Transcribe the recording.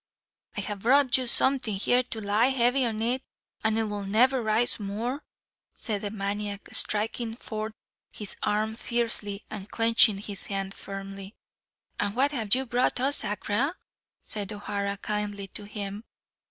"I have brought you something here to lie heavy on it, and 't will never rise more," said the maniac, striking forth his arm fiercely, and clenching his hand firmly. "And what have you brought us, Agrah?" said O'Hara kindly to him.